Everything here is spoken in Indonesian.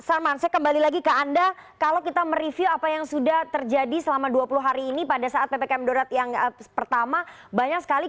sarman saya kembali lagi ke anda kalau kita mereview apa yang sudah terjadi selama dua puluh hari ini pada saat ppkm darurat yang pertama banyak sekali